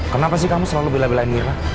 kenapa sih kamu selalu bela belain mira